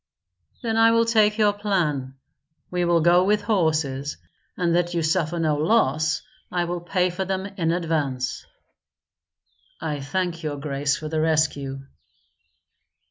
"Then I will take your plan. We will go with horses, and that you suffer no loss I will pay for them in advance." "I thank your grace for the rescue."